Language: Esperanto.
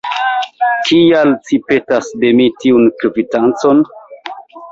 Kial ci petis de mi tiun kvitancon?